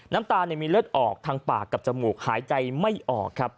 น้ำตาลมีเลือดออกทางปากกับจมูกหายใจไม่ออกครับ